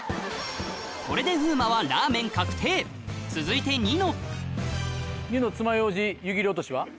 これで風磨はラーメン確定続いてニノ。